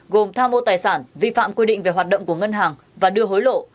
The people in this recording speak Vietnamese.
gồm tha mô tài sản vi phạm quy định về hoạt động của ngân hàng và đưa hối lộ